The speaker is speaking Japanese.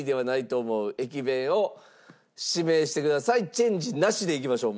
チェンジなしでいきましょう